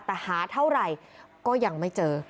แต่หาเท่าไหร่ก็ยังไม่เจอ